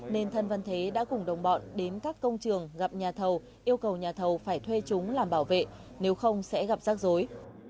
nên thân văn thế đã cùng đồng bọn đến các công trường gặp nhà thầu phải thuê chúng làm bảo vệ nếu không sẽ gặp rác rối